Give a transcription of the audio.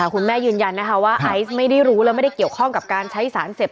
ยืนยันนะคะว่าไอซ์ไม่ได้รู้และไม่ได้เกี่ยวข้องกับการใช้สารเสพ